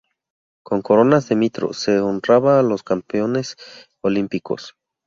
Con coronas de mirto se honraba a los campeones olímpicos.